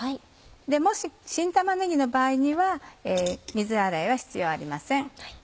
もし新玉ねぎの場合には水洗いは必要ありません。